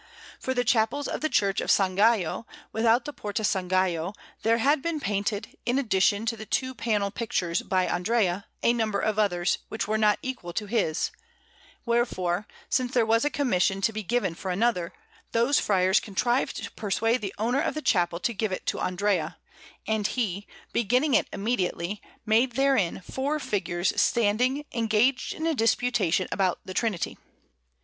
For the chapels in the Church of S. Gallo, without the Porta S. Gallo, there had been painted, in addition to the two panel pictures by Andrea, a number of others, which were not equal to his; wherefore, since there was a commission to be given for another, those friars contrived to persuade the owner of the chapel to give it to Andrea; and he, beginning it immediately, made therein four figures standing, engaged in a disputation about the Trinity.